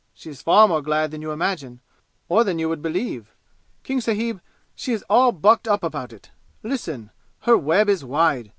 She is far more glad than you imagine, or than you would believe. King sahib, she is all bucked up about it! Listen her web is wide!